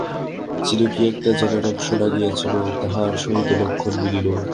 যেন কী একটা জনরব শোনা গিয়াছিল, তাহার সহিত লক্ষণ মিলিল।